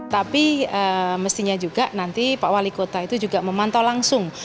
tapi mestinya juga nanti pak wali kota itu juga memantau langsung